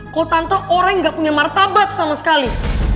kalau tante orang yang gak punya martabat sama sekali